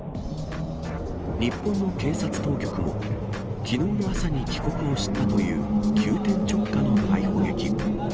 日本の警察当局も、きのうの朝に帰国を知ったという急転直下の逮捕劇。